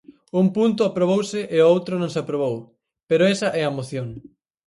Un punto aprobouse e outro non se aprobou, pero esa é a moción.